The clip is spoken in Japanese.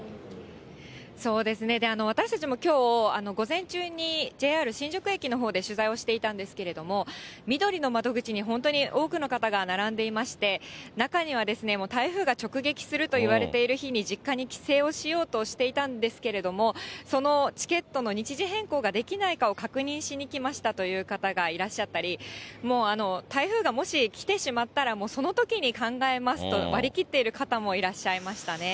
そうですね、私たちもきょう、午前中にＪＲ新宿駅のほうで取材をしていたんですけれども、みどりの窓口に本当に多くの方が並んでいまして、中には台風が直撃すると言われている日に実家に帰省をしようとしていたんですけれども、そのチケットの日時変更ができないかを確認しにきましたという方がいらっしゃったり、もう、台風がもし来てしまったら、もうそのときに考えますと割り切っている方もいらっしゃいました